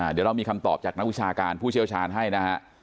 เดี๋ยวเรามีคำตอบจากนักวิชาการผู้เชี่ยวชาญให้นะฮะ